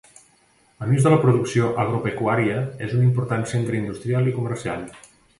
A més de la producció agropecuària és un important centre industrial i comercial.